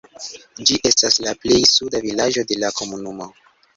Ĝi estas la plej suda vilaĝo de la komunumo.